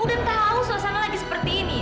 udah entah langsung suasana lagi seperti ini